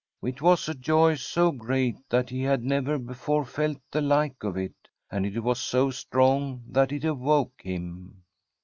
It was a joy so great that he had never before felt the like of it, and it was so strong that it awoke him.